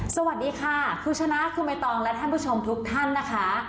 สวัสดีค่ะคุณชนะคือใบตองและท่านผู้ชมทุกท่านนะคะ